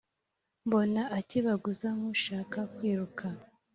Mbona akebaguza, nk’ushaka kwiruka